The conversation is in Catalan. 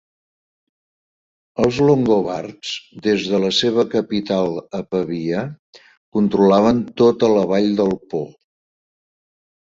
Els longobards, des de la seva capital a Pavia controlaven tota la vall del Po.